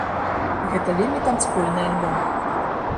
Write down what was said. Гэта вельмі танцпольны альбом.